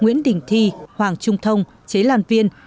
nguyễn đình thi hoàng trung thông chế lan viên